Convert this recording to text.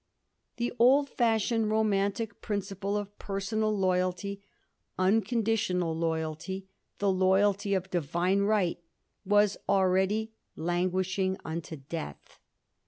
The old feflhioned, romantic principle of personal loyalty, unconditional loyalty — the loyalty of Divine right — ^was already languishing unto death.